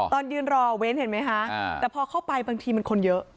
ตอนยืนรอเว้นเห็นไหมคะแต่พอเข้าไปบางทีมันคนเยอะ